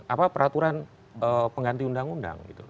apa peraturan pengganti undang undang gitu